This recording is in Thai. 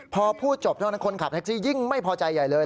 พอพูดจบคนขับแท็กซี่ยิ่งไม่พอใจใหญ่เลย